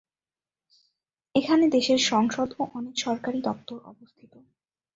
এখানে দেশের সংসদ ও অনেক সরকারি দপ্তর অবস্থিত।